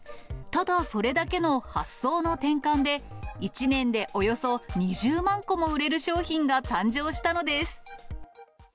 ただそれだけの発想の転換で、１年でおよそ２０万個も売れる商品が誕生したのです。